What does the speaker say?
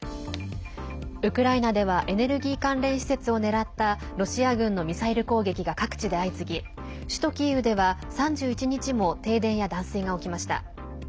ウクライナではエネルギー関連施設を狙ったロシア軍のミサイル攻撃が各地で相次ぎ首都キーウでは３１日も停電や断水が起きました。